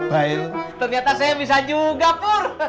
wahyu ternyata saya bisa juga pur